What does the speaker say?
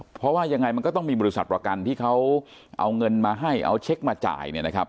เพราะว่ายังไงมันก็ต้องมีบริษัทประกันที่เขาเอาเงินมาให้เอาเช็คมาจ่ายเนี่ยนะครับ